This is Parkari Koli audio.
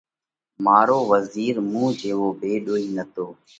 مارو وزِير مُون جيوو ڀيۮوهِي نتو،